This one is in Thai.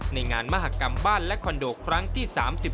ในงานมหากรรมบ้านและคอนโดครั้งที่๓๑